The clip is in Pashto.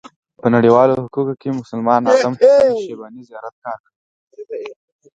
په نړيوالو حقوقو کې مسلمان عالم حسن الشيباني زيات کار